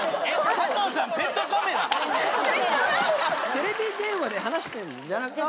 テレビ電話で話してんじゃなく。